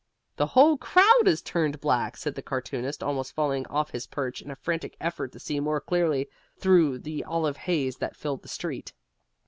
"The whole crowd has turned black," said the cartoonist, almost falling off his perch in a frantic effort to see more clearly through the olive haze that filled the street.